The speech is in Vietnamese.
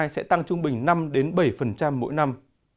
sẽ tăng trung bình năm bảy mỗi năm